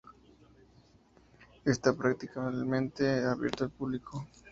Está parcialmente abierto al público.